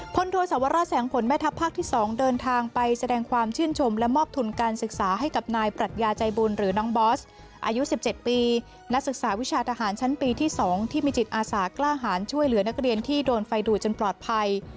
พลโทสวราชแสงผลแม่ทัพภาคที่๒เดินทางไปแสดงความชื่นชมและมอบทุนการศึกษาให้กับนายปรัชญาใจบุญหรือน้องบอสอายุ๑๗ปีนักศึกษาวิชาทหารชั้นปีที่๒ที่มีจิตอาสากล้าหารช่วยเหลือนักเรียนที่โดนไฟดูดจนปลอดภัย